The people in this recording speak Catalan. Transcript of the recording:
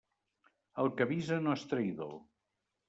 El que avisa no és traïdor.